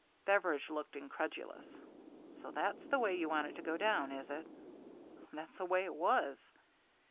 Beveridge looked incredulous. "So that's the way you want it to go down, is it ?" "That's the way it was."